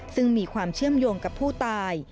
ซึ่งมีความเชื่อมโยงกับผู้ตาย